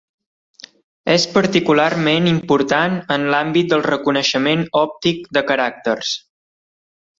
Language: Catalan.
És particularment important en l'àmbit del reconeixement òptic de caràcters.